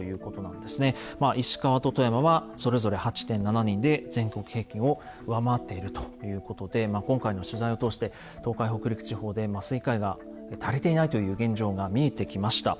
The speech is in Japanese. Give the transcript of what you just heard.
まあ石川と富山はそれぞれ８．７人で全国平均を上回っているということで今回の取材を通して東海・北陸地方で麻酔科医が足りていないという現状が見えてきました。